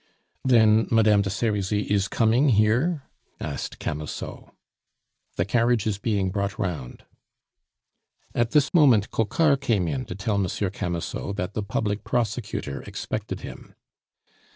"Then Madame de Serizy is coming here?" asked Camusot. "The carriage is being brought round." At this moment Coquart came in to tell Monsieur Camusot that the public prosecutor expected him.